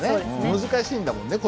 難しいんだもんね